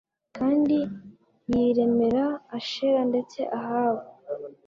Kandi yiremera Ashera ndetse Ahabu